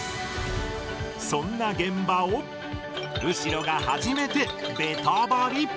そんな現場を、後呂が初めてベタバリ！